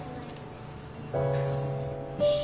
よし。